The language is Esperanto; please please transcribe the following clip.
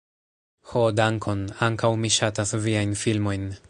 Ho dankon! ankaŭ mi ŝatas viajn filmojn